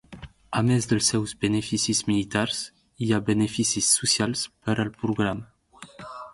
A més dels seus beneficis militars, hi ha beneficis socials per al programa.